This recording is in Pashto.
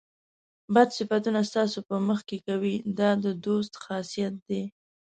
بد صفتونه ستاسو په مخ کې کوي دا د دوست خاصیت دی.